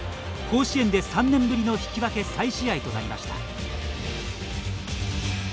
甲子園で３年ぶりの引き分け再試合となりました。